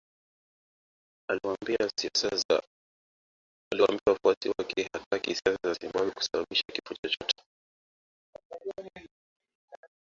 Aliwaambia wafuasi wake hataki siasa za Zimbabwe kusababisha kifo chochote